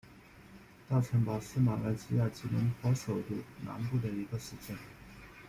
大城堡是马来西亚吉隆坡首都南部的一个市镇。